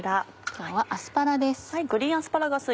今日はアスパラです。